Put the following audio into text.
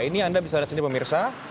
ini anda bisa lihat sendiri pemirsa